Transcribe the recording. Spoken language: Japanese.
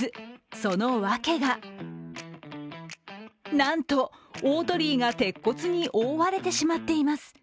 そのワケがなんと、大鳥居が鉄骨に覆われてしまっています。